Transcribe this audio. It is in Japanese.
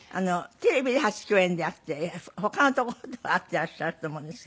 テレビで初共演であって他のところでは会っていらっしゃると思うんですが。